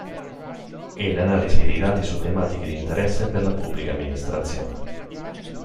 E l'analisi dei dati su tematiche di interesse per la PA.